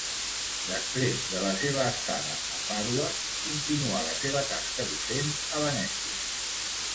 Després de la seva estada a Pàdua continuà la seva tasca docent a Venècia.